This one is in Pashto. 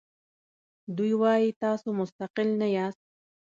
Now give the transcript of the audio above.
دوی وایي تاسو مستقل نه یاست.